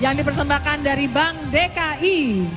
yang dipersembahkan dari bank dki